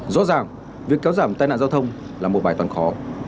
rõ ràng việc kéo giảm tai nạn giao thông là một bài toán khó